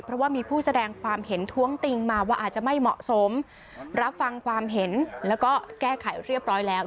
เพราะว่ามีผู้แสดงความเห็นท้วงติงมาว่าอาจจะไม่เหมาะสมรับฟังความเห็นแล้วก็แก้ไขเรียบร้อยแล้ว